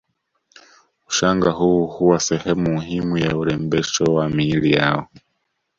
Ushanga huu huwa sehemu muhimu ya urembesho wa miili yao